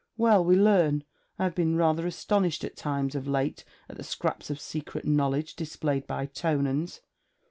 Well, we learn. I have been rather astonished at times of late at the scraps of secret knowledge displayed by Tonans.